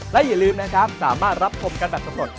และอย่าลืมนะครับสามารถรับชมกันแบบสำรวจ